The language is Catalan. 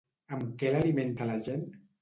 Amb què l'alimenta la gent?